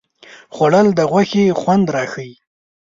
خوړل د غوښې خوند راښيي